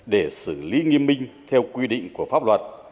để xử lý nghiêm minh theo quy định của pháp luật